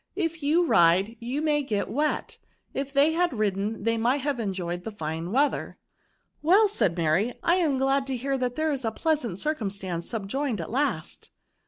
If you ride, you may get wet. If they had ridden, they might have enjoyed the fine weather.*' Well," said Mary, " I am glad to hear there is a pleasant circumstance subjoined at last.''